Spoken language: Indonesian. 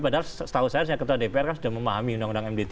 padahal setahu saya ketua dpr kan sudah memahami undang undang md tiga